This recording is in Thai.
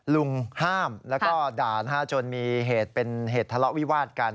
ลุงห้ามและก็ด่านจนมีเหตุทะเลาะวิวาดกัน